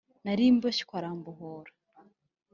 Nari mboshyw’arambohora